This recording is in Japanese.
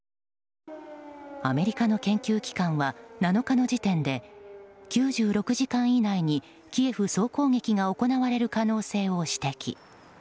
アメリカの研究機関は７日の時点で９６時間以内にキエフ総攻撃が行われる可能性を指摘。